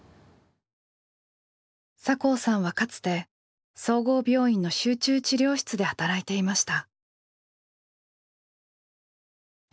酒匂さんはかつて総合病院の集中治療室で働いていました。